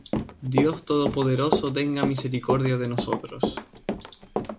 Dios todopoderoso tenga misericordia de nosotros,